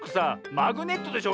マグネットでしょ。